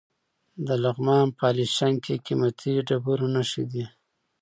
د لغمان په علیشنګ کې د قیمتي ډبرو نښې دي.